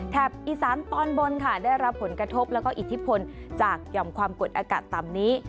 อีสานตอนบนค่ะได้รับผลกระทบแล้วก็อิทธิพลจากหย่อมความกดอากาศต่ำนี้